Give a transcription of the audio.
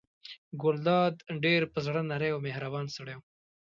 ګلداد ډېر په زړه نری او مهربان سړی و.